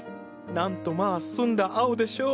なんとまあ澄んだ青でしょう。